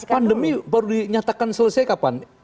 pandemi baru dinyatakan selesai kapan